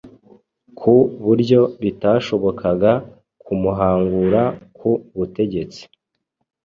ku buryo bitashobokaga kumuhangura ku butegetsi